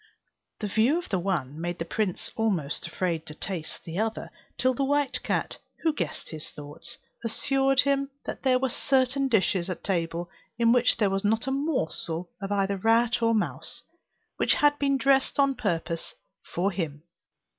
The view of the one made the prince almost afraid to taste the other till the white cat, who guessed his thoughts, assured him that there were certain dishes at table in which there was not a morsel of either rat or mouse, which had been dressed on purpose for him.